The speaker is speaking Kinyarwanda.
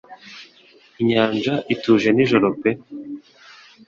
Inyanja ituje nijoro pe